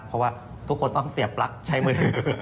เพราะว่าทุกคนต้องเสียบลัคใช้เมนู